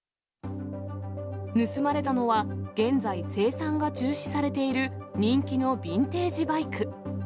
盗まれたのは、現在生産が中止されている人気のビンテージバイク。